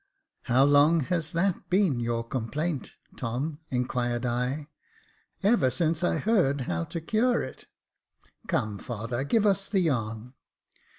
" How long has that been your complaint, Tom ?" in quired I. " Ever since I heard how to cure it. Come, father, give us the yarn."